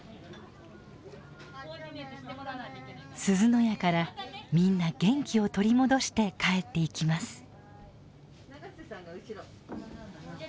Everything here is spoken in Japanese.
すずの家からみんな元気を取り戻して帰っていきます。